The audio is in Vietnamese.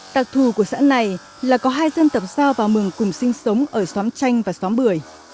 tạc thù của xã này là có hai dân tộc giao và mường cùng sinh sống ở xóm chanh và xóm bưởi